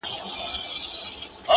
په تن خوار دی خو په عقل دی تللی!.